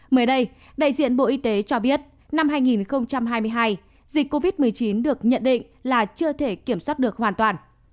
mới đây đại diện bộ y tế cho biết năm hai nghìn hai mươi hai dịch covid một mươi chín được nhận định là chưa thể kiểm soát được hoàn toàn